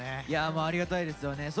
いやもうありがたいですよね。